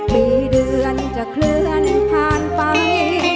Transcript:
มีเดือนจะเคลื่อนผ่านไป